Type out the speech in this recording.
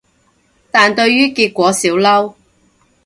但對於結果少嬲